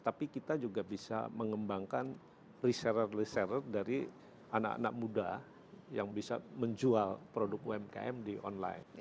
tapi kita juga bisa mengembangkan reseller reseller dari anak anak muda yang bisa menjual produk umkm di online